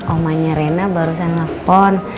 omanya rena baru saja nelfon